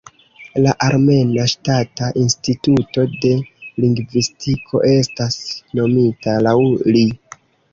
La armena Ŝtata Instituto de Lingvistiko estas nomita laŭ li.